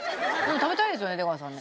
食べたいですよね出川さんね。